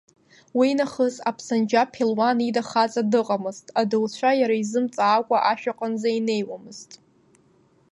Уи нахыс Аԥсанџьа Ԥелуан ида хаҵа дыҟамызт, адауцәа иара изымҵаакәа ашә аҟынӡа инеиуамызт.